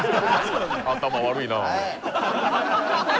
頭悪いな。